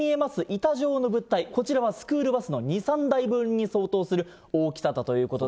板状の物体、こちらはスクールバスの２、３台分に相当する大きさだということで。